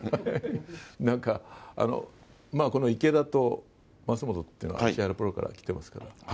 なんか、この池田と増本っていうのは、石原プロから来てますから。